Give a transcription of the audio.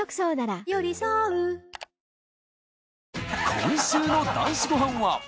今週の『男子ごはん』は。